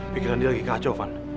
pikiran dia lagi kacau van